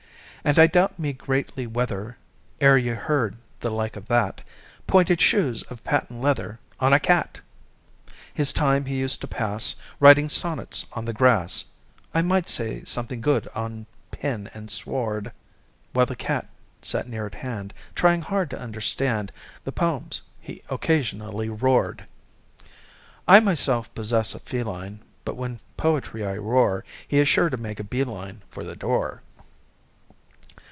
And I doubt me greatly whether E'er you heard the like of that: Pointed shoes of patent leather On a cat! His time he used to pass Writing sonnets, on the grass (I might say something good on pen and sward!) While the cat sat near at hand, Trying hard to understand The poems he occasionally roared. (I myself possess a feline, But when poetry I roar He is sure to make a bee line For the door.)